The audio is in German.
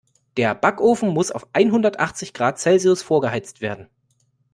Der Backofen muss auf einhundertachzig Grad Celsius vorgeheizt werden.